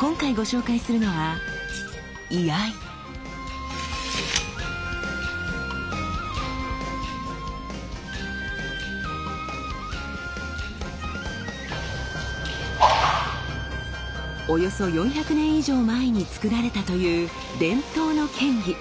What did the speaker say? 今回ご紹介するのはおよそ４００年以上前に作られたという伝統の剣技。